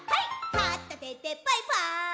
「かったてでバイバーイ！！」